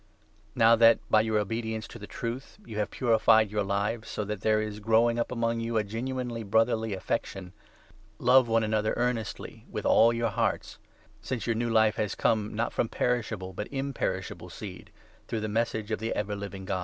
Now that, by your obedience to the Truth, you Bl"t!ov«.rly have purified your lives, so that there is growing up among you a genuine brotherly affection, love one another earnestly with all your hearts ; since your new Life has come, not from perishable, but imperishable, seed, through the Message of the Everliving God.